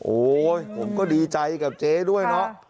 โอ้ยผมก็ดีใจกับเจ๊ด้วยเนาะ